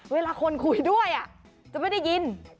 เวลาคนคุยด้วยจะไม่ได้ยิน